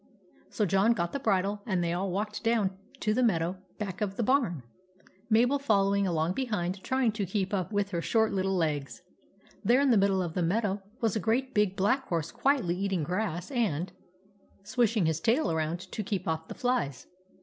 So John got the bridle, and they all walked down to the meadow back of the barn, Mabel following along behind, trying to keep up, with her short little legs. There in the middle of the meadow was a great big black horse quietly eating grass and swishing his tail around to keep off the flies.